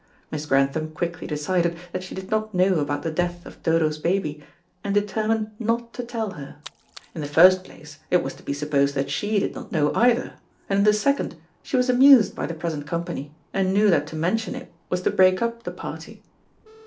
Miss Grantham quickly decided that she did not know about the death of Dodo's baby, and determined not to tell her. In the first place, it was to be supposed that she did not know either, and in the second, she was amused by the present company, and knew that to mention it was to break up the party.